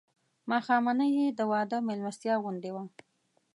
ماښامنۍ یې د واده مېلمستیا غوندې وه.